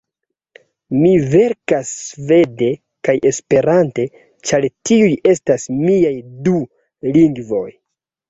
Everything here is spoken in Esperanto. Mi verkas svede kaj Esperante, ĉar tiuj estas miaj du lingvoj.